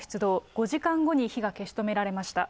５時間後に火が消し止められました。